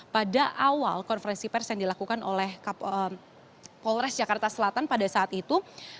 pada awal konferensi pers yang dilakukan oleh polres jakarta selatan pada saat itu